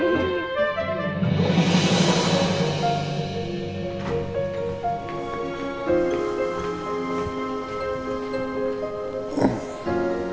satu dua tiga